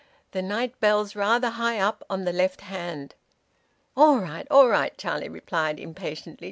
The night bell's rather high up on the left hand." "All right! All right!" Charlie replied impatiently.